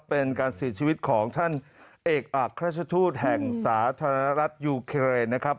เป็นการเสียชีวิตของท่านเอกอักราชทูตแห่งสาธารณรัฐยูเคเรนนะครับ